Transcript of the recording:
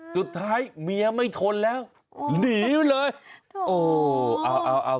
สุดท้ายเมียไม่ทนแล้วหนีเลยโอ้เอาเอา